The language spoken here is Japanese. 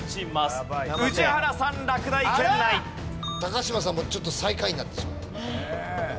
嶋さんもちょっと最下位になってしまってる。